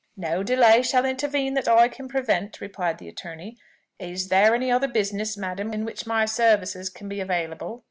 "No delay shall intervene that I can prevent," replied the attorney. "Is there any other business, madam, in which my services can be available?"